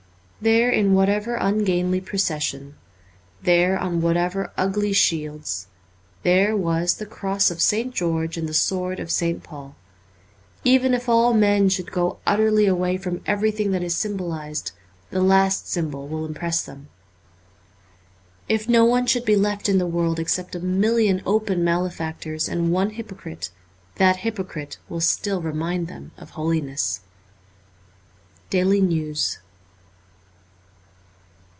There in what ever ungainly procession, there on whatever ugly shields, there was the cross of St. George and the sword of St. Paul. Even if all men should go utterly away from everything that is symbolized, the last symbol will impress them. If no one should be left in the world except a million open male factors and one hypocrite, that hypocrite will still remind them of holiness. * Daily News.'